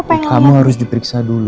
tapi kamu harus diperiksa dulu